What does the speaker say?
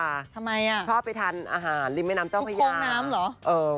ทำไมอ่ะชอบไปทานอาหารริมแม่น้ำเจ้าพญาแม่น้ำเหรอ